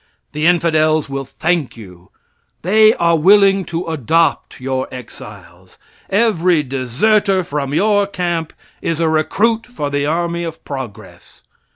The Infidels will thank you. They are willing to adopt your exiles. Every deserter from your camp is a recruit for the army of progress.